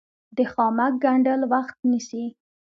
د خامک ګنډل وخت نیسي